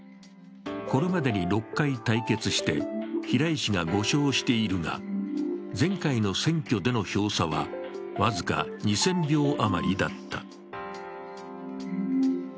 これまでに６回対決して平井氏が５勝しているが前回の選挙での票差は僅か２０００票余りだった。